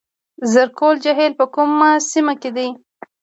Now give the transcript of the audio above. زرکول جهیل په کومه سیمه کې دی؟